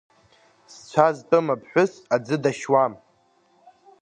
Зцәа зтәым аԥҳәыс аӡы дашьуам…